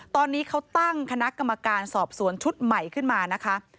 ตอนนี้เขาตั้งคณะกรรมการสอบสวนชุดใหม่ขึ้นมานะคะ